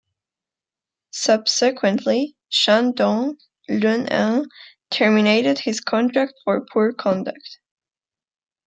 Subsequently, Shandong Luneng terminated his contract for poor conduct.